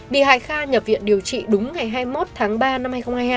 bị hại kha nhập viện điều trị đúng ngày hai mươi một tháng ba năm hai nghìn hai mươi hai